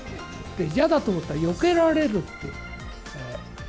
嫌だと思ったらよけられるって。